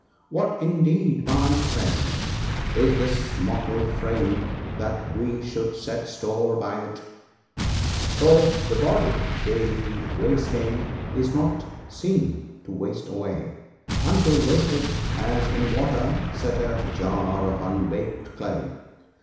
What, indeed, my friend, is this mortal frame, that we should set store by it ?—•* For the body, daily wasting, is not seen to waste away, Until wasted, as in water set a jar of unbaked clay."